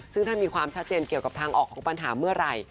ซึ่งถ้ามีความชัดเจนเกี่ยวกับทางออกของปัญหาเมื่อไหร่